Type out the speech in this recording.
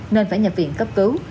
nên phải nhập viện cấp cứu